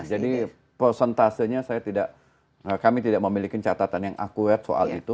jadi persentasenya kami tidak memiliki catatan yang akurat soal itu